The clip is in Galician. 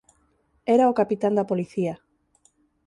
Era o capitán da policía.